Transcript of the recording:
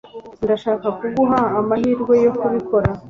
Ndashaka kuguha amahirwe yo kubikora.